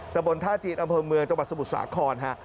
บนท่าจีนอำเภอเมืองจังหวัดสมุทรสาครฮะ